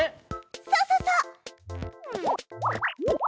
そうそうそう！